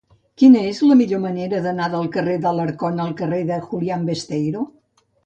Quina és la millor manera d'anar del carrer d'Alarcón al carrer de Julián Besteiro?